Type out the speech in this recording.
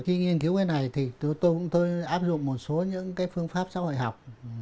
khi nghiên cứu cái này tôi áp dụng một số những phương pháp xã hội học